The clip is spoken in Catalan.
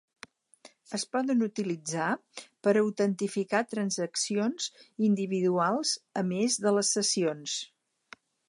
Es poden utilitzar per autentificar transaccions individuals a més de les sessions.